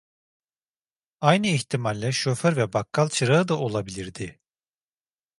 Aynı ihtimalle şoför ve bakkal çırağı da olabilirdi.